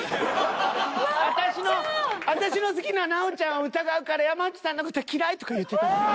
「私の好きな奈緒ちゃんを疑うから山内さんの事嫌い」とか言ってたのに。